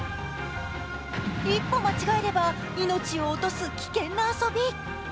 一歩間違えれば命を落とす危険な遊び。